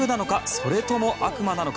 それとも悪魔なのか？